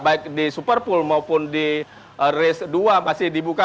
baik di superpool maupun di race dua masih dibuka